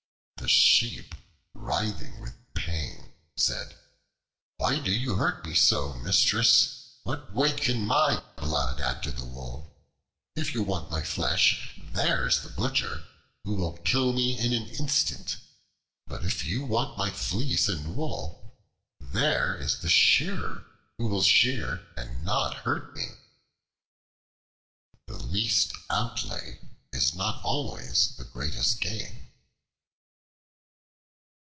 The Sheep, writhing with pain, said, "Why do you hurt me so, Mistress? What weight can my blood add to the wool? If you want my flesh, there is the butcher, who will kill me in an instant; but if you want my fleece and wool, there is the shearer, who will shear and not hurt me." The least outlay is not always the greatest gain.